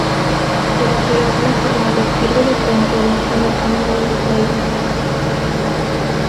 El río Blackwater sirve de frontera con el Condado de Tyrone.